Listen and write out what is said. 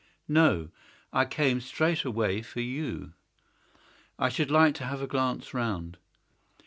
"No; I came straight away for you." "I should like to have a glance round.